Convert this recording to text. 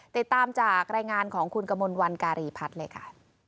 ติดตามจากรายงานของคุณกมลวันการีพัฒน์เลยค่ะ